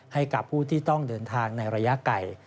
ให้กับผู้ที่ต้องเดินทางในระยะไกล